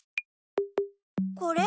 これ？